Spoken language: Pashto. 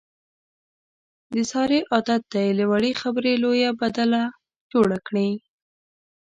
د سارې عادت دی، له وړې خبرې لویه بدله جوړه کړي.